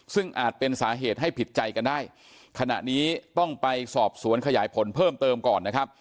ซึ่งอาจเป็นสาเหตุให้ผิดใจกันได้ขณะนี้ต้องไปสอบสวนขยายผลเพิ่มเติมก่อนนะครับ